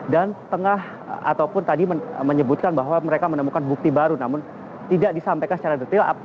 dan tengah ataupun tadi menyebutkan bahwa mereka menemukan bukti baru namun tidak disampaikan secara detail